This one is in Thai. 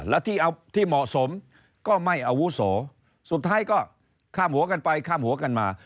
และที่เอาที่เหมาะสมก็ไม่อาวุโสสุดท้ายก็ข้ามหัวกันไปข้ามหัวกันมา